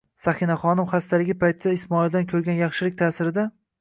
Sanihaxonim xastaligi paytida Ismoildan ko'rgan yaxshilik ta'sirida